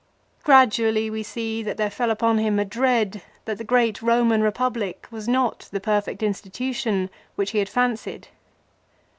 Gradually we see that there fell upon him a dread that the great Roman Republic was not the perfect institution which he had fancied.